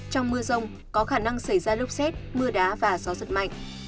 trong mưa rông có khả năng xảy ra lốc xét mưa đá và gió giật mạnh